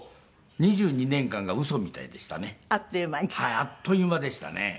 あっという間でしたね。